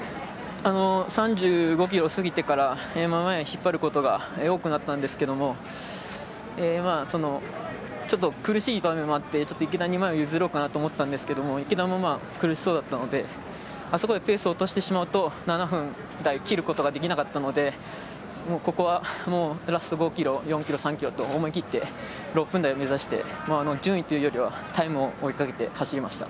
３５ｋｍ過ぎてから前を引っ張ることが多くなったんですけどちょっと、苦しい場面もあって池田に前を譲ろうかなと思ったんですけど池田も苦しそうだったのであそこでペースを落としてしまうと７分台切ることができなかったのでここは、もうラスト５ｋｍ、４ｋｍ、３ｋｍと思い切って６分台を目指して順位というよりはタイムを追いかけて走りました。